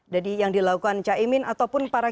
jadi yang dilakukan cmi ataupun para